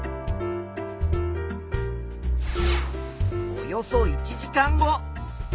およそ１時間後。